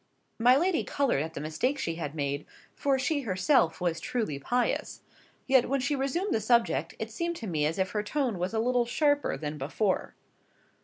My lady coloured at the mistake she had made; for she herself was truly pious. Yet when she resumed the subject, it seemed to me as if her tone was a little sharper than before.